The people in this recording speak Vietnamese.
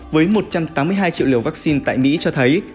với một trăm tám mươi hai triệu liều vaccine tại mỹ cho thấy